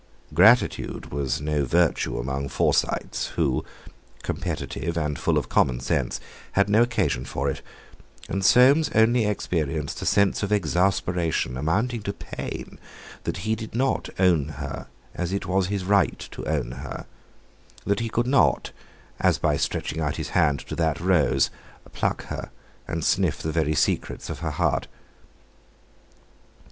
Gratitude was no virtue among Forsytes, who, competitive, and full of common sense, had no occasion for it; and Soames only experienced a sense of exasperation amounting to pain, that he did not own her as it was his right to own her, that he could not, as by stretching out his hand to that rose, pluck her and sniff the very secrets of her heart.